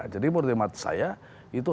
jadi menurut tema saya itu